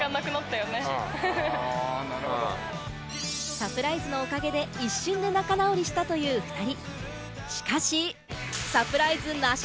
サプライズのおかげで、一瞬で仲直りしたという２人。